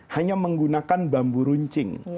hanya menggunakan bambu runcing